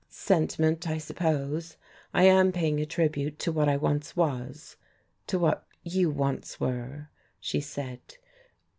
"Sentiment, I suppose. I am paying a tribute to what I once was, to what you once were," she said.